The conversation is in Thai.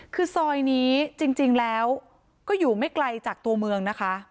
คือซอยนี้จริงแล้วก็อยู่ไม่ไกลจากตัวเมืองนะคะ